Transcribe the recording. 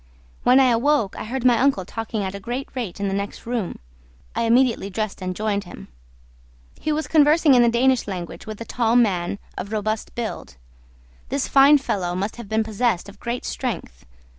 When I awoke I heard my uncle talking at a great rate in the next room. I immediately dressed and joined him. He was conversing in the Danish language with a tall man, of robust build. This fine fellow must have been possessed of great strength.